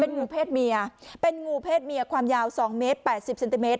งูเพศเมียเป็นงูเพศเมียความยาว๒เมตร๘๐เซนติเมตร